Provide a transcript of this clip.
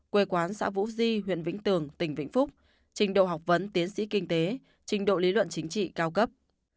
quê quán xã vũ di huyện vĩnh tường tỉnh vĩnh phúc trình độ học vấn tiến sĩ kinh tế trình độ lý luận chính trị cao cấp